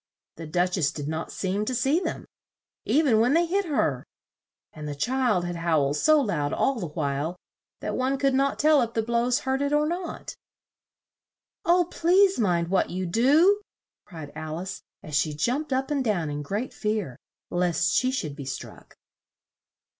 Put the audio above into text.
The Duch ess did not seem to see them, e ven when they hit her; and the child had howled so loud all the while, that one could not tell if the blows hurt it or not. "Oh, please mind what you do!" cried Al ice, as she jumped up and down in great fear, lest she should be struck.